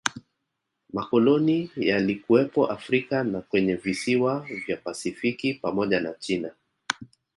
Makoloni yalikuwepo Afrika na kwenye visiwa vya pasifiki pamoja na China